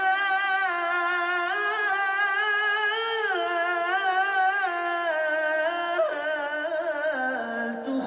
nih makan dulu nih